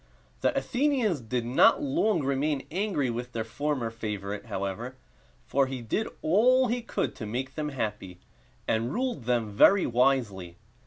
The Athenians did not long remain angry with their former favorite, however; for he did all he could to make them happy, and ruled them very wisely.